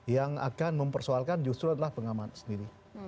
yang akan mempersoalkan justru adalah pengamat sendiri